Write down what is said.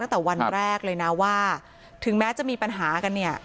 ตั้งแต่วันแรกเลยนะว่าถึงแม้จะมีปัญหากันเนี่ย